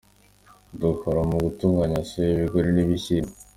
Dukora mu gutunganya Soya, Ibigori, n’ibishyimbo”.